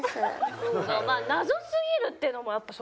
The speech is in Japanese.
まあ謎すぎるっていうのもやっぱそこも。